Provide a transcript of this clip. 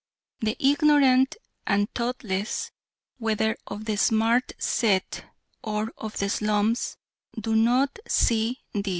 The ignorant and thoughtless, whether of the "Smart Set" or of the slums, do not see this.